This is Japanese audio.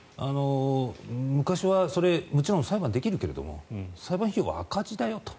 昔はもちろん裁判できるけれども裁判費用、赤字だよと。